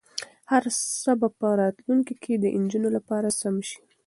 هر څه به په راتلونکي کې د نجونو لپاره سم شي.